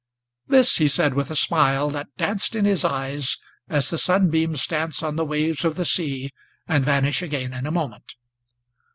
This he said with a smile, that danced in his eyes, as the sunbeams Dance on the waves of the sea, and vanish again in a moment.